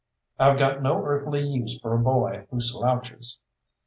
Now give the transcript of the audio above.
I've got no earthly use for a boy who slouches.